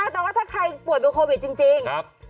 แต่ว่าถ้าใครปวดเป็นโควิดจริง